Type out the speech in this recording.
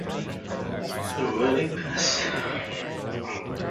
The municipality prefers to call itself a "city", which, however, has no legal significance.